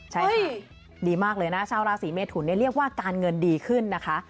ใช่สิดีมากเลยนะชาวราศีเมทุนเรียกว่าการเงินดีขึ้นนะคะ